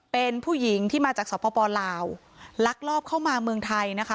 เป็นผู้หญิงที่มาจากสปลาวลักลอบเข้ามาเมืองไทยนะคะ